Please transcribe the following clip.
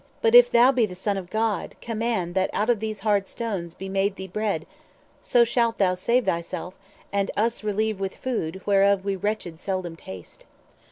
But, if thou be the Son of God, command That out of these hard stones be made thee bread; So shalt thou save thyself, and us relieve With food, whereof we wretched seldom taste."